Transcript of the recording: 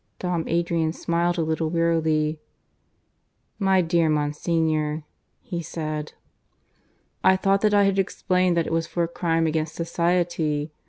..." Dom Adrian smiled a little wearily. "My dear Monsignor," he said, "I thought I had explained that it was for a crime against society.